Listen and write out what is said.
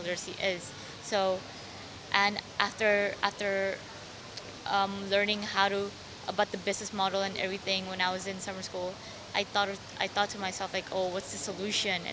setelah saya belajar tentang model bisnis dan semuanya ketika saya berada di sekolah musim saya berpikir kepada diri saya sendiri apa solusi ini